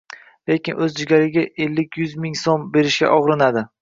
lekin o‘z jigariga ellik-yuz ming so‘m berishga og‘rinadi.